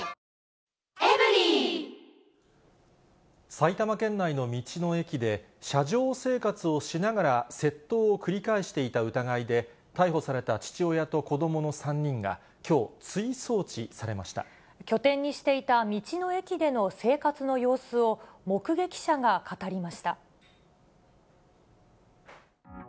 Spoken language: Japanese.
埼玉県内の道の駅で、車上生活をしながら、窃盗を繰り返していた疑いで逮捕された父親と子どもの３人が、拠点にしていた道の駅での生活の様子を、目撃者が語りました。